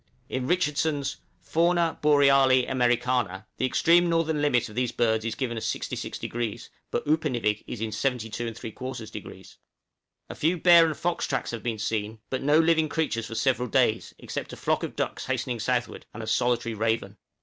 In Richardson's 'Fauna Boreali Americana' the extreme northern limit of these birds is given as 66°; but Upernivik is in 72 3/4°. {"HARNESS JACK."} A few bear and fox tracks have been seen, but no living creatures for several days, except a flock of ducks hastening southward, and a solitary raven.